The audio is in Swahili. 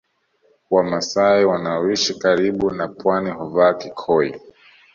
Wamasai wanaoishi karibu na pwani huvaa kikoi